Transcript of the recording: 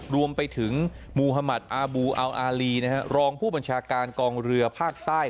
รวมไปถึงม่วฮะหมัดอาบูเอาอาลีนะฮะรองผู้ปัญชาการกองเรือภาคใต้